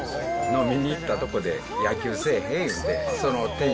飲みに行ったとこで野球せえへん？